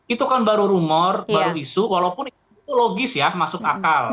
itu kan baru rumor baru isu walaupun itu logis ya masuk akal